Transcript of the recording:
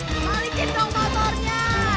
hei balikin dong motornya